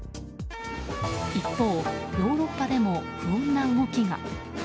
一方、ヨーロッパでも不穏な動きが。